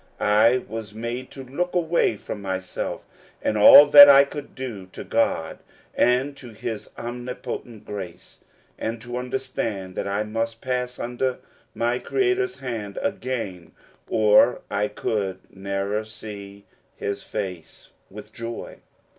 I was made to look away from myself, and all that I could do, to God and to his omnipotent grace, and to understand that I must pass under my Creator's hand again, or I could never see his face with joy."